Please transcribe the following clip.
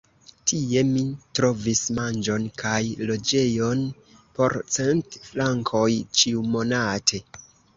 Tie mi trovis manĝon kaj loĝejon por cent frankoj ĉiumonate.